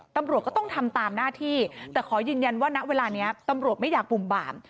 ตำรวจก็ต้องทำตามหน้าที่แต่ขอยืนยันว่าณเวลานี้ตำรวจไม่อยากบุ่มบาม